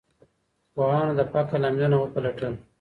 پوهانو د فقر لاملونه وپلټل.